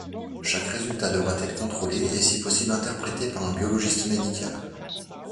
Chaque résultat devra être contrôlé et si possible interprété par un Biologiste médical.